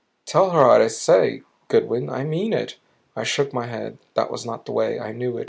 "Tell her what I say, Goodwin. I mean it." I shook my head. That was not the way, I knew.